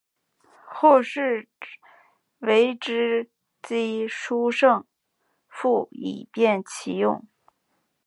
后世为之机抒胜复以便其用。